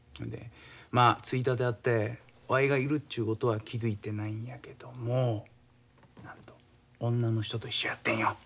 まあついたてあってわいがいるちゅうことは気付いてないんやけどもなんと女の人と一緒やってんよ。